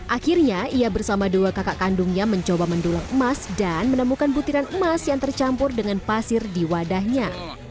akhirnya ia bersama dua kakak kandungnya mencoba mendulang emas dan menemukan butiran emas yang tercampur dengan pasir di wadahnya